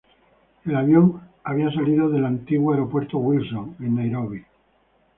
El avión había salido del aeropuerto Wilson en Nairobi.